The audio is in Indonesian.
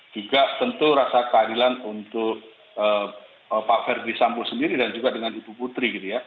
juga tentu rasa keadilan untuk pak verdi sambo sendiri dan juga dengan ibu putri